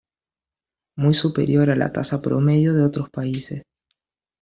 Muy superior a la tasa promedio de otros países.